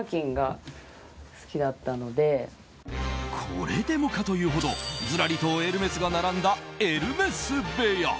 これでもかというほどずらりとエルメスが並んだエルメス部屋。